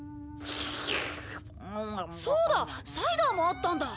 そうだサイダーもあったんだ。